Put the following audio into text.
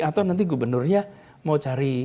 atau nanti gubernurnya mau cari